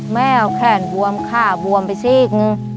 แม่เขาแขนบวมข้าบวมไปซีก